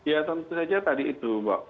ya tentu saja tadi itu mbak